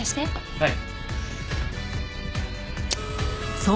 はい。